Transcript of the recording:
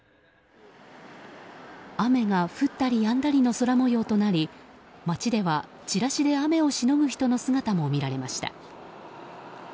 雨が降ったりやんだりの空模様となり街ではチラシで雨をしのぐ人の姿も見られました。